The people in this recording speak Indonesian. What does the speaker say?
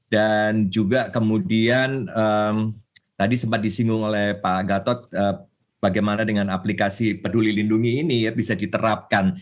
dan juga kemudian tadi sempat disinggung oleh pak gatot bagaimana dengan aplikasi peduli lindungi ini bisa diterapkan